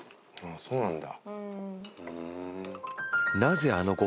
そうなんだ。